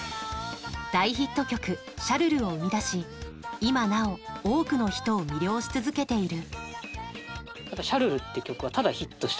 大ヒット曲「シャルル」を生み出し、今なお多くの人を魅了し続けている。